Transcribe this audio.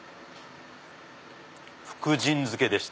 福神漬けでした。